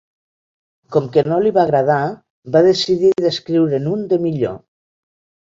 Com que no li va agradar, va decidir d'escriure'n un de millor.